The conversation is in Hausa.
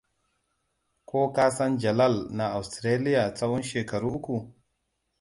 Ko ka san Jalal na Australiya tsahon shekaru uku?